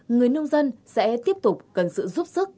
người nông dân sẽ tiếp tục cần sự giúp sức